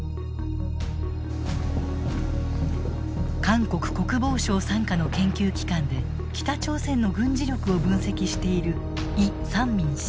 韓国国防省傘下の研究機関で北朝鮮の軍事力を分析しているイ・サンミン氏。